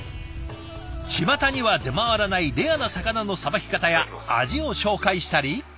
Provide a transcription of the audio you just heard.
ちまたには出回らないレアな魚のさばき方や味を紹介したり。